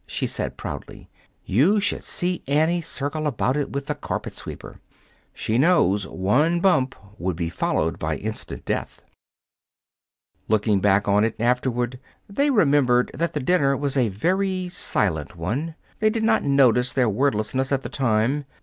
she said proudly. "You should see Annie circle around it with the carpet sweeper. She knows one bump would be followed by instant death." Looking back on it, afterward, they remembered that the dinner was a very silent one. They did not notice their wordlessness at the time.